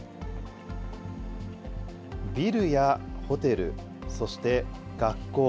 ビルやホテル、そして学校。